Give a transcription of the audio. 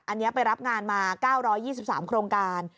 อันนี้ไปรับงานมา๙๒๓โครงการ